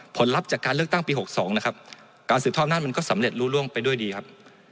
ผลลัพธ์จากการเลือกตั้งปี๖๒นะครับการสืบทอดอำนาจมันก็สำเร็จรู้ร่วงไปด้วยดีครับ